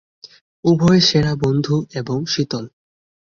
উভয়ই সেরা বন্ধু এবং শীতল।